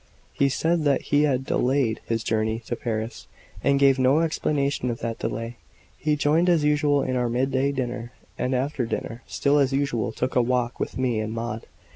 He said that he had delayed his journey to Paris, and gave no explanation of that delay. He joined as usual in our midday dinner; and after dinner, still as usual, took a walk with me and Maud.